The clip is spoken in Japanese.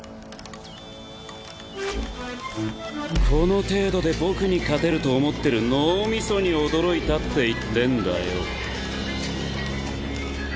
この程度で僕に勝てると思ってる脳みそに驚いたって言ってんだよ。